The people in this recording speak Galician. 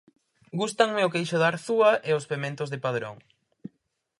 Gústanme o queixo de Arzúa e os pementos de Padrón.